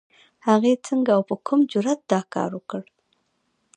هغې څنګه او په کوم جرئت دا کار وکړ؟